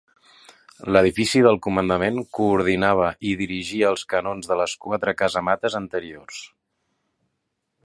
L'edifici del comandament coordinava i dirigia els canons de les quatre casamates anteriors.